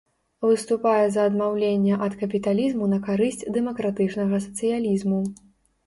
Выступае за адмаўленне ад капіталізму на карысць дэмакратычнага сацыялізму.